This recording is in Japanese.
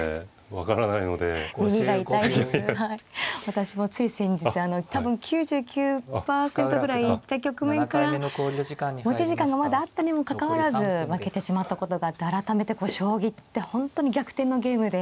私もつい先日多分９９％ぐらい行った局面から持ち時間がまだあったにもかかわらず負けてしまったことがあって改めて将棋って本当に逆転のゲームで。